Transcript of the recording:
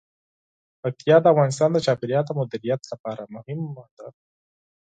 پکتیا د افغانستان د چاپیریال د مدیریت لپاره مهم دي.